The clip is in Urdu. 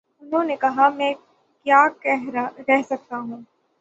انہوں نے کہا: میں کیا کہہ سکتا ہوں۔